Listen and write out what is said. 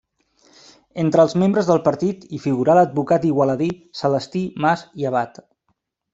Entre els membres del partit hi figurà l'advocat igualadí Celestí Mas i Abat.